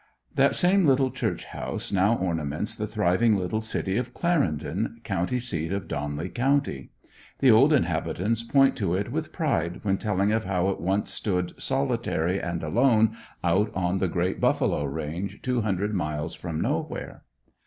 That same little church house now ornaments the thriving little city of Clarendon, County seat of Donley County. The old inhabitants point to it with pride when telling of how it once stood solitary and alone out on the great buffalo range two hundred miles from nowhere.